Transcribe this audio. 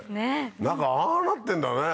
中ああなってんだね。